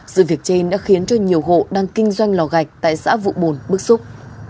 sự việc trên đã khiến cho nhiều hộ đang kinh doanh lò gạch tại xã vụ bồn bức xúc